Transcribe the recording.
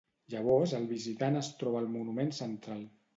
Llavors el visitant es troba el monument central.